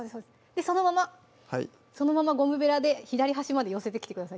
そのままそのままゴムベラで左端まで寄せてきてください